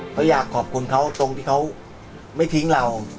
เขาอยากขอบคุณเขาตรงที่เขาไม่ทิ้งเรา